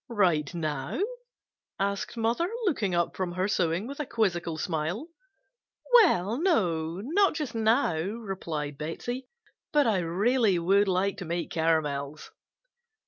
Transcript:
"Right now?" asked mother, looking up from her sewing with a quizzical smile. "Well, no, not just now," replied Betsey, "but I really would like to make caramels."